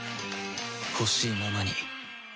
ほしいままに